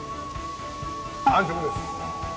完食です。